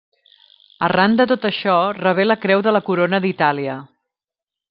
Arran de tot això rebé la Creu de la Corona d'Itàlia.